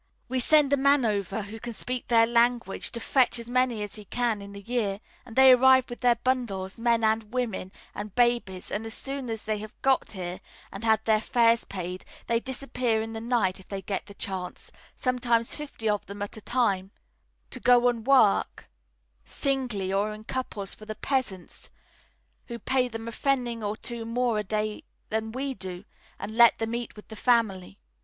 We send a man over who can speak their language, to fetch as many as he can early in the year, and they arrive with their bundles, men and women and babies, and as soon as they have got here and had their fares paid, they disappear in the night if they get the chance, sometimes fifty of them at a time, to go and work singly or in couples for the peasants, who pay them a pfenning or two more a day than we do, and let them eat with the family.